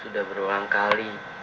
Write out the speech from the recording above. sudah berulang kali